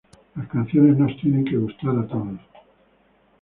Las canciones nos tienen que gustar a todos.